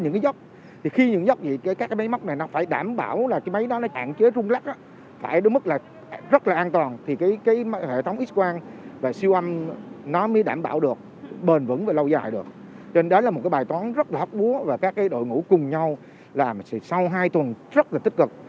nên đó là một cái bài toán rất là hấp búa và các đội ngũ cùng nhau làm sau hai tuần rất là tích cực